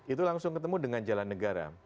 itu langsung ketemu dengan jalan negara